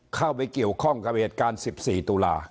เข้าไปเกี่ยวข้องกับเหตุการณ์๑๔ตุลา